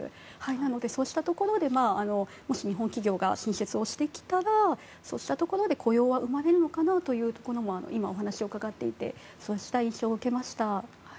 なので、そうしたところでもし日本企業が進出をしてきたらそこで雇用は生まれるかなと今、お話を伺っていてそうした印象を受けました。